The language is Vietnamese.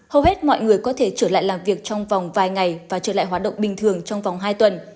hầu hết mọi người có thể trở lại làm việc trong vòng vài ngày và trở lại hoạt động bình thường trong vòng hai tuần